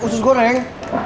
eh usus goreng